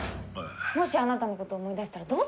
もしあなたのことを思い出したらどうするの？